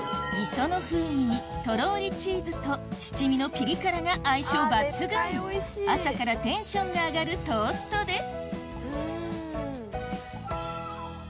磯の風味にとろりチーズと七味のピリ辛が相性抜群朝からテンションが上がるトーストです